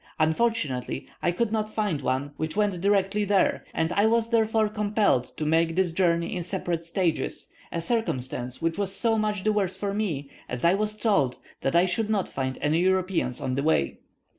Unfortunately, I could not find one which went direct there, and I was, therefore, compelled to make this journey in separate stages, a circumstance which was so much the worse for me, as I was told that I should not find any Europeans on the way.